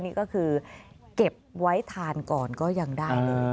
นี่ก็คือเก็บไว้ทานก่อนก็ยังได้เลย